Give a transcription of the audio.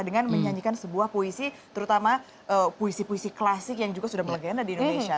dengan menyanyikan sebuah puisi terutama puisi puisi klasik yang juga sudah melegenda di indonesia